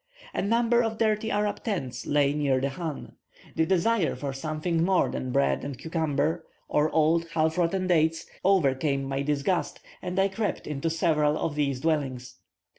A number of dirty Arab tents lay near the chan. The desire for something more than bread and cucumber, or old, half rotten dates, overcame my disgust, and I crept into several of these dwellings.